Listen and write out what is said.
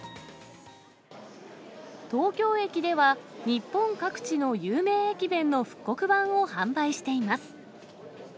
東京駅では、日本各地の有名駅弁の復刻版を販売しています。